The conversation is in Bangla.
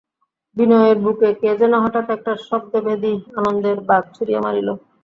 বিনয়ের বুকে কে যেন হঠাৎ একটা শব্দভেদী আনন্দের বাণ ছুঁড়িয়া মারিল।